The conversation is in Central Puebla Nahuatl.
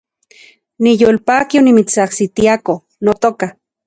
Niyolpaki onimitsajsitiako, notoka